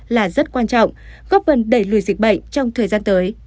là rất quan trọng góp phần đẩy lùi dịch bệnh trong thời gian tới